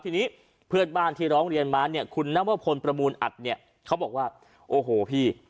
ทีนี้เพื่อนบ้านที่ร้องเรียนมาเนี่ยคุณนวพลประมูลอัดเนี่ยเขาบอกว่าโอ้โหพี่